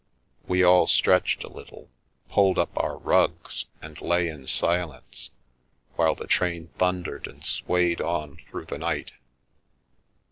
We all stretched a little, pulled up our rugs and lay in silence, while the train thundered and swayed on through the night.